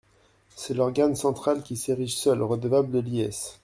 C’est l’organe central qui s’érige seul redevable de l’IS.